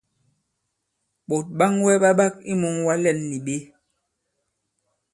Ɓòt ɓaŋwɛ ɓa ɓak i mūŋwa lɛ᷇n nì ɓě?